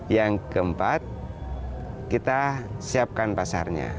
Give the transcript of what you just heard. yang keempat kita siapkan pasarnya